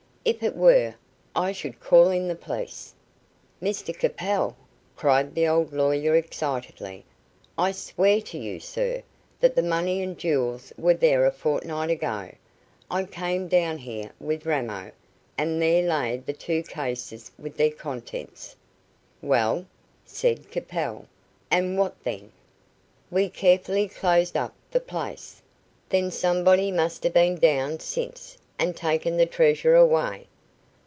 If it were, I should call in the police." "Mr Capel," cried the old lawyer excitedly, "I swear to you, sir, that the money and jewels were there a fortnight ago. I came down here with Ramo, and there lay the two cases with their contents." "Well?" said Capel, "what then?" "We carefully closed up the place." "Then somebody must have been down since, and taken the treasure away."